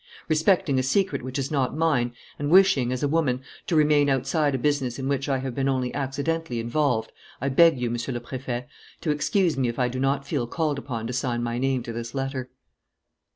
Respecting a secret which is not mine and wishing, as a woman, to remain outside a business in which I have been only accidentally involved, I beg you, Monsieur le Préfet, to excuse me if I do not feel called upon to sign my name to this letter."